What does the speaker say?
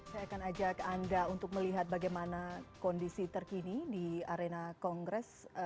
saya akan ajak anda untuk melihat bagaimana kondisi terkini di arena kongres